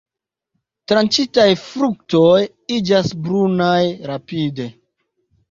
Tranĉitaj fruktoj iĝas brunaj rapide.